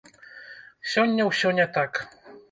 Сёння ўсё не так.